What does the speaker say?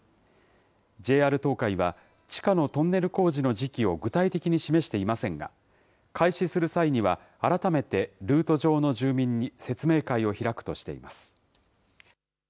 ＪＲ東海は、地下のトンネル工事の時期を具体的に示していませんが、開始する際には、改めてルート上の住民に説明会を開くとしています。